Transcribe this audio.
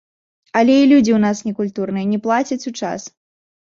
Але і людзі ў нас некультурныя, не плацяць у час.